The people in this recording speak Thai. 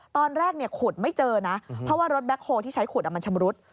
ตอนแรกขุดไม่เจอนะเพราะว่ารถแบ็คโฮลที่ใช้ขุดมันชำรุด